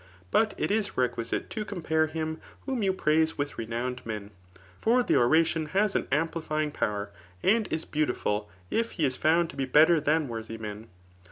But it is requisite to compare him whom you praise with renowned men ; for die oration has an amplifying power and is beaudful, if he is found to be better than worthy men.